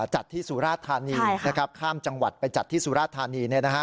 จัดที่สุราธานีข้ามจังหวัดไปจัดที่สุราธานี